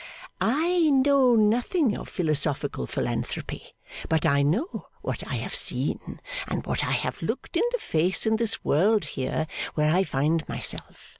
I know nothing of philosophical philanthropy. But I know what I have seen, and what I have looked in the face in this world here, where I find myself.